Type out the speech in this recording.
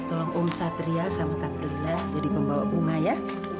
tolong om satria sama katrina jadi pembawa bunga ya